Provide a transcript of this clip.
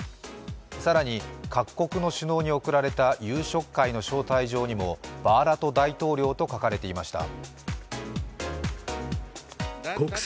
更に各国の首脳に送られた夕食会の招待状にもバーラト大統領と書かれていました。